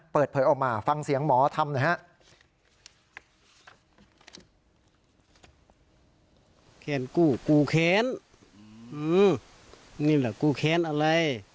เปิดเผยออกมาฟังเสียงหมอทำหน่อยฮะ